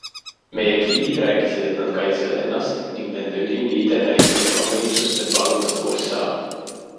Meie giidid rääkisid, et nad kaitsevad ennast ning nende ülim liider näitas oma võimsust, et vallutada USA.